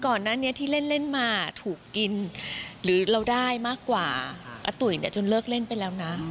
ก่อนหน้านี้ที่เล่นมาถูกกินหรือเราได้มากกว่าอาตุ๋ยเนี่ยจนเลิกเล่นไปแล้วนะ